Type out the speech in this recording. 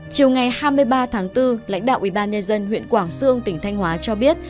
chiều ngày hai mươi ba tháng bốn lãnh đạo ủy ban nhà dân huyện quảng sương tỉnh thanh hóa cho biết